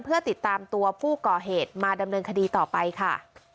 เพื่อติดตามตัวผู้ก่อเหตุมาดำเนินคดีต่อไปค่ะ